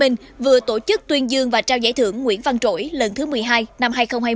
tp hcm vừa tổ chức tuyên dương và trao giải thưởng nguyễn văn trỗi lần thứ một mươi hai năm hai nghìn hai mươi